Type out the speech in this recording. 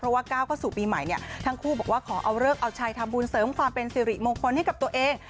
เพราะว่าก้าวเข้าสู่ปีใหม่เนี่ยทั้งคู่บอกว่าขอเอาเลิกเอาชัยทำบุญเสริมความเป็นสิริมงคลให้กับตัวเอง